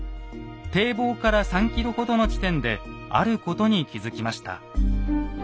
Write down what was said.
堤防から３ｋｍほどの地点であることに気付きました。